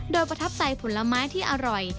โดยประทับใจผลไม้ที่อร่อย